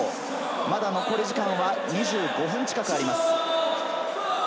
まだ残り時間は２５分近くあります。